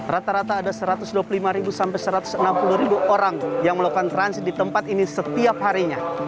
rata rata ada satu ratus dua puluh lima sampai satu ratus enam puluh orang yang melakukan trans di tempat ini setiap harinya